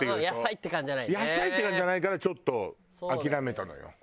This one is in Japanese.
野菜って感じじゃないからちょっと諦めたのよ。